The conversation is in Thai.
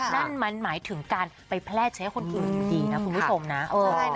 นั่นมันหมายถึงการไปแพร่ใช้คนอื่นอยู่ดีนะคุณวิทม